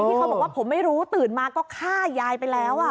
เขาบอกว่าผมไม่รู้ตื่นมาก็ฆ่ายายไปแล้ว